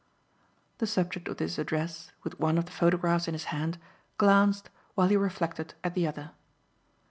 The subject of this address, with one of the photographs in his hand, glanced, while he reflected, at the other.